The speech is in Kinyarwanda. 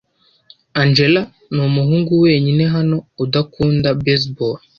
Angella numuhungu wenyine hano udakunda baseball.